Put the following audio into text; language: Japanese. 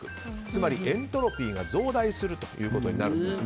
つまりエントロピーが増大するということになるんです。